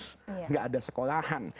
tidak ada sekolahan